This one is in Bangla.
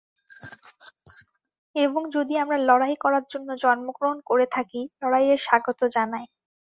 এবং যদি আমরা লড়াই করার জন্য জন্মগ্রহণ করে থাকি, লড়াইয়ে স্বাগত জানাই।